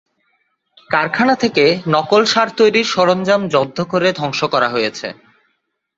কারখানা থেকে নকল সার তৈরির সরঞ্জাম জব্দ করে ধ্বংস করা হয়েছে।